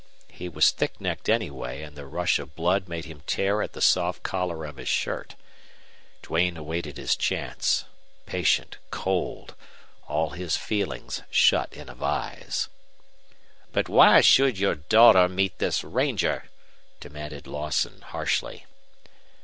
He was thick necked anyway, and the rush of blood made him tear at the soft collar of his shirt. Duane awaited his chance, patient, cold, all his feelings shut in a vise. "But why should your daughter meet this ranger?" demanded Lawson, harshly.